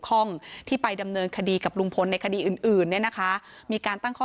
ฟังท่านเพิ่มค่ะบอกว่าถ้าผู้ต้องหาหรือว่าคนก่อเหตุฟังอยู่